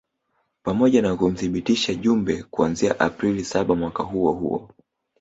pamoja na kumthibitisha Jumbe kuanzia Aprili saba mwaka huo huo